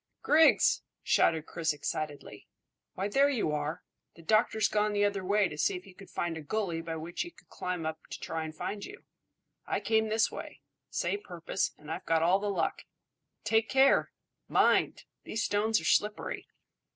"Griggs!" shouted Chris excitedly. "Why, there you are! The doctor's gone the other way to see if he could find a gully by which he could climb up to try and find you. I came this way. Same purpose, and I've got all the luck. Take care! Mind! These stones are slippery."